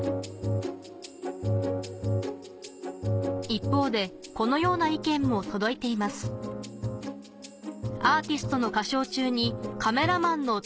一方でこのような意見も届いていますが届いています。